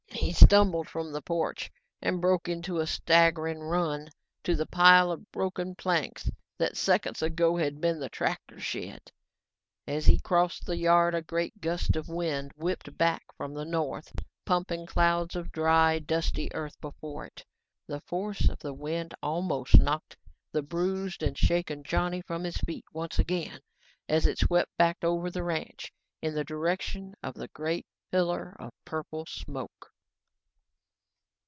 He stumbled from the porch and broke into a staggering run to the pile of broken planks that seconds ago had been the tractor shed. As he crossed the yard, a great gust of wind whipped back from the north, pumping clouds of dry, dusty earth before it. The force of the wind almost knocked the bruised and shaken Johnny from his feet once again as it swept back over the ranch, in the direction of the great pillar of purple smoke.